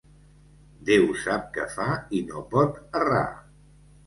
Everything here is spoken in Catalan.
Déu sap què fa i no pot errar.